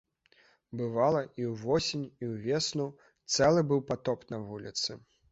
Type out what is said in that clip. Бывала, і ўвосень, і ўвесну цэлы быў патоп на вуліцы.